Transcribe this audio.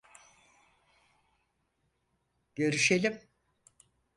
Görüşelim...